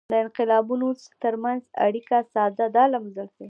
د انقلابونو ترمنځ اړیکه ساده وه.